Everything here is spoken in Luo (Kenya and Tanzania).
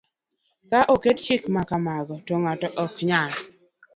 Ka oket chike ma kamago, to ng'ato ok nyal